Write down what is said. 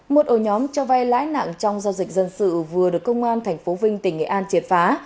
một ổ nhóm cho vay lãi nặng trong giao dịch dân sự vừa được công an tp vinh tỉnh nghệ an triệt phá